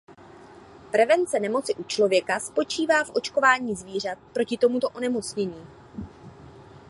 Prevence nemoci u člověka spočívá v očkování zvířat proti tomuto onemocnění.